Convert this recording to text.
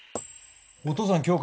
お父さん